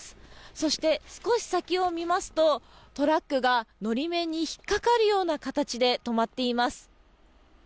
そして、少し先を見ますとトラックが法面に引っかかるような形で止まっています。